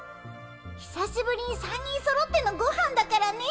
ひさしぶりに３人そろってのごはんだからね